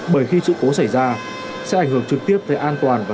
bởi khi sự cố xảy ra sẽ ảnh hưởng trực tiếp tới an toàn và tính mạng của người dân